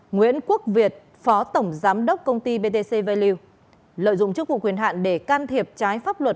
nguyễn quốc việt phó tổng giám đốc công ty btc value lợi dụng chức vụ quyền hạn để can thiệp trái pháp luật